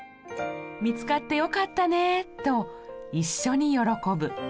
見つかってよかったねと一緒に喜ぶ。